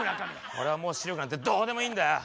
俺はもう視力なんてどうでもいいんだよ。